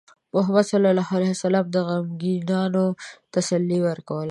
محمد صلى الله عليه وسلم د غمگینانو تسلي ورکوله.